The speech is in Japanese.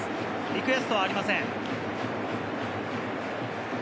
リクエストはありません。